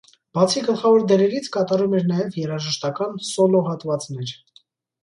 Բացի գլխավոր դերերից կատարում էր նաև երաժշտական սոլո հատվածներ։